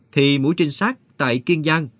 thì mũi trinh sát tại kiên giang